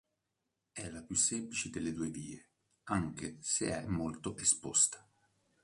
È la più semplice delle due vie, anche se è molto esposta.